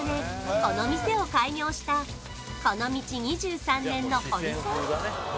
この店を開業したこの道２３年の堀さん